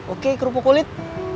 oke kerupuk kulit